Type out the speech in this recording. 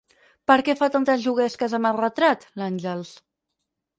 Per què fa tantes juguesques amb el retrat, l'Àngels?